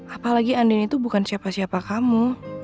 apalagi andini itu bukan siapa siapa kamu